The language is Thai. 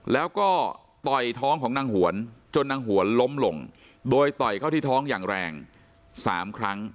แล้วก็ต่อยท้องของนางหวนจนนางหวนล้มลงโดยต่อยเข้าที่ท้องอย่างแรง๓ครั้ง